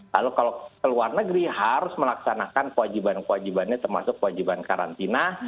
lalu kalau ke luar negeri harus melaksanakan kewajiban kewajibannya termasuk kewajiban karantina